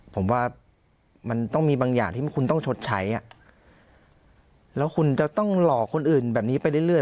ผมว่ามันต้องมีบางอย่างที่คุณต้องชดใช้แล้วคุณจะต้องหลอกคนอื่นแบบนี้ไปเรื่อย